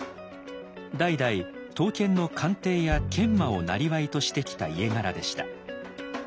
代々刀剣の鑑定や研磨をなりわいとしてきた家柄でした。